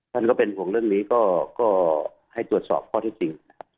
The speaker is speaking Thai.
ท่านก็เป็นห่วงเรื่องนี้ก็ให้ตรวจสอบข้อที่จริงนะครับ